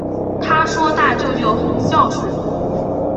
她说大舅舅很孝顺